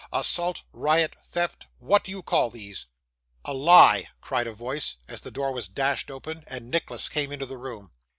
Assault, riot, theft, what do you call these?' 'A lie!' cried a voice, as the door was dashed open, and Nicholas came into the room.